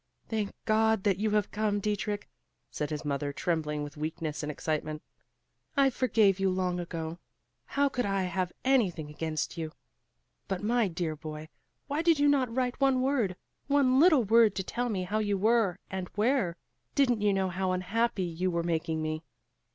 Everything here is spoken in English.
"Thank God that you have come, Dietrich," said his mother, trembling with weakness and excitement. "I forgave you long ago. How could I have anything against you? But, my dear boy, why did you not write one word, one little word to tell me how you were and where? Didn't you know how unhappy you were making me?"